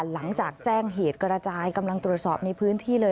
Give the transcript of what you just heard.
หลังจากแจ้งเหตุกระจายกำลังตรวจสอบในพื้นที่เลย